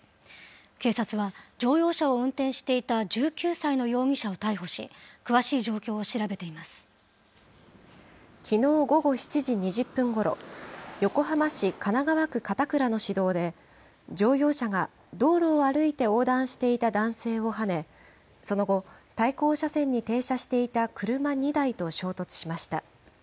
警察は、乗用車を運転していた１９歳の容疑者を逮捕し、きのう午後７時２０分ごろ、横浜市神奈川区片倉の市道で、乗用車が道路を歩いて横断していた男性をはね、その後、対向車線に停車していた車２台と衝突しました。